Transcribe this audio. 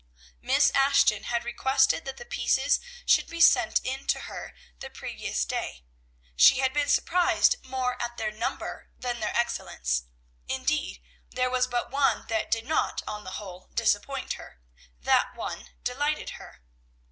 Miss Ashton had requested that the pieces should be sent in to her the previous day. She had been surprised more at their number than their excellence, indeed, there was but one that did not, on the whole, disappoint her; that one delighted her.